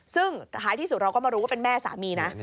ซึ่งท้ายที่สุดเราก็มารู้ว่าเป็นแม่สามีนะ